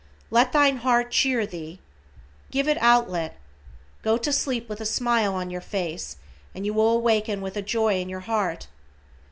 "Let thine heart cheer thee." Give it out let. Go to sleep with a smile on your face and you will awaken with a joy in your heart.